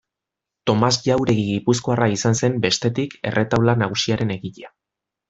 Tomas Jauregi gipuzkoarra izan zen, bestetik, erretaula nagusiaren egilea.